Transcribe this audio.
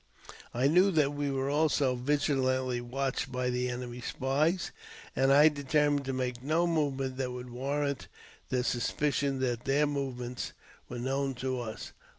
I knew that we were also vigilantly watched by the enemy's spies, and I determined to make no movement that would warrant the suspicion that their movements were known to us.